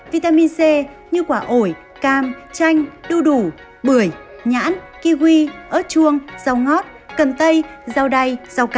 vitamin c có trong các loại vật như cá thịt gà thịt bò trứng sữa đậm